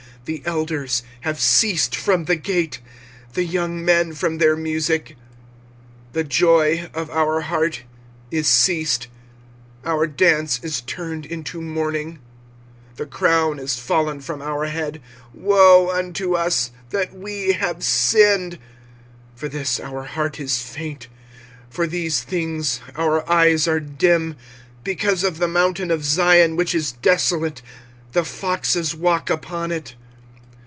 25:005:014 The elders have ceased from the gate, the young men from their musick. 25:005:015 The joy of our heart is ceased; our dance is turned into mourning. 25:005:016 The crown is fallen from our head: woe unto us, that we have sinned! 25:005:017 For this our heart is faint; for these things our eyes are dim. 25:005:018 Because of the mountain of Zion, which is desolate, the foxes walk upon it.